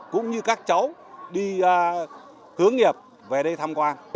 cũng như các cháu đi hướng nghiệp về đây tham quan